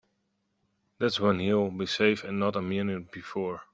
That's when he'll be safe and not a minute before.